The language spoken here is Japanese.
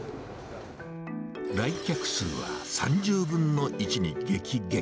来客数は３０分の１に激減。